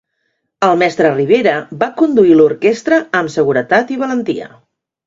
El mestre Ribera va conduir l'orquestra amb seguretat i valentia.